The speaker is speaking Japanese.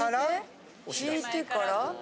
引いてから。